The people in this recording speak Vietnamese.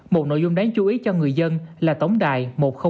một nội dung đáng chú ý cho người dân là tổng đài một nghìn hai mươi hai